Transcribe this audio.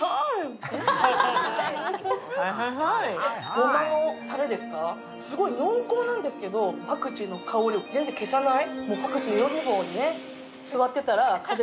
ごまのたれですか、すごい濃厚なんですけど、パクチーの香りを消さない？